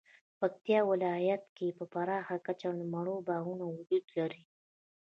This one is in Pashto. پکتیکا ولایت کې په پراخه کچه مڼو باغونه وجود لري